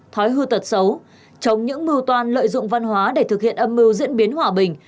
thói hư tật xấu chống những mưu toan lợi dụng văn hóa để thực hiện âm mưu diễn biến hòa bình